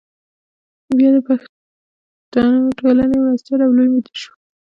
بیا د پښتو ټولنې مرستیال او لوی مدیر شو.